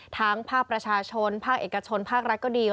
ภาคประชาชนภาคเอกชนภาครัฐก็ดี